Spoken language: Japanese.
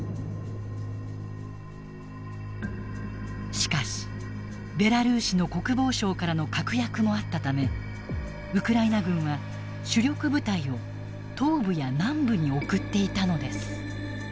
しかしベラルーシの国防相からの確約もあったためウクライナ軍は主力部隊を東部や南部に送っていたのです。